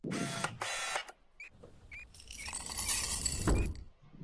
আমাদের কোনো ছেলে নেই।